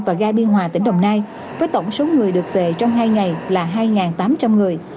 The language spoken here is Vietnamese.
và ga biên hòa tỉnh đồng nai với tổng số người được về trong hai ngày là hai tám trăm linh người